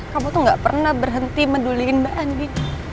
kamu tuh gak pernah berhenti menduliin mbak andi